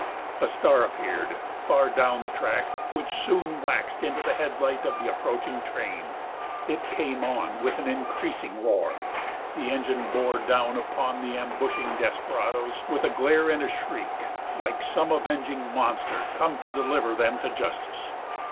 A star appeared far down the track which soon waxed into the headlight of the approaching train. It came on with an increasing roar; the engine bore down upon the ambushing desperadoes with a glare and a shriek like some avenging monster come to deliver them to justice.